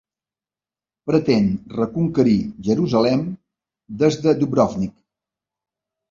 Pretén reconquerir Jerusalem des de Dubrovnik.